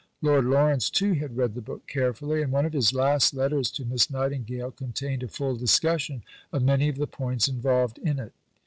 Lord Lawrence too had read the book carefully, and one of his last letters to Miss Nightingale contained a full discussion of many of the points involved in it.